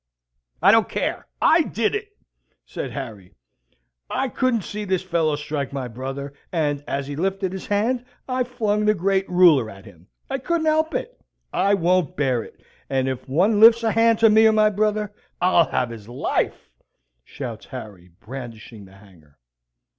"I don't care. I did it," says Harry. "I couldn't see this fellow strike my brother; and, as he lifted his hand, I flung the great ruler at him. I couldn't help it. I won't bear it; and, if one lifts a hand to me or my brother, I'll have his life," shouts Harry, brandishing the hanger.